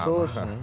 sudah lama kan